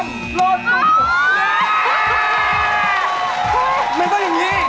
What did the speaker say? ไม่ต้องอย่างนี้